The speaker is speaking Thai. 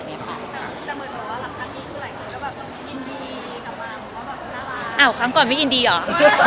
เอ่อครั้งก่อนไม่อินดีเหรอ